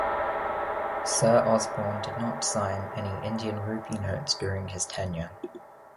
Sir Osborne did not sign any Indian rupee notes during his tenure.